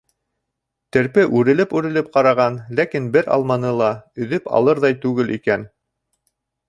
Терпе үрелеп-үрелеп ҡараған, ләкин бер алманы ла өҙөп алырҙай түгел икән.